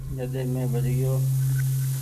جڏي مينٚ بچ گيو